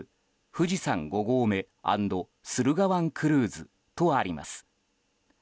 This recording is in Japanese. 富士山五合目＆駿河湾クルーズとあります。